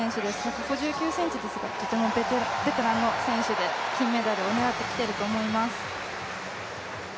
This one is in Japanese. １５９ｃｍですが、とてもベテランの選手で金メダルを狙ってきていると思います。